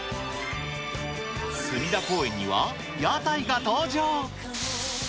隅田公園には、屋台が登場。